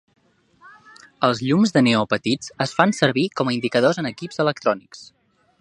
Els llums de neó petits es fan servir com a indicadors en equips electrònics.